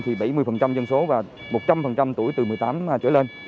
thì bảy mươi dân số và một trăm linh tuổi từ một mươi tám trở lên